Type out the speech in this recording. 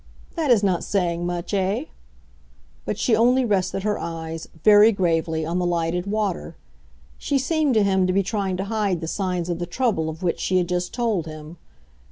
"That is not saying much, eh?" But she only rested her eyes, very gravely, on the lighted water. She seemed to him to be trying to hide the signs of the trouble of which she had just told him.